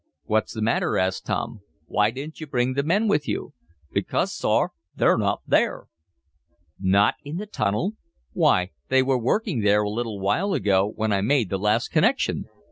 "What's the matter?" asked Tom. "Why didn't you bring the men with you?" "Because, sor, they're not there!" "Not in the tunnel? Why, they were working there a little while ago, when I made the last connection!"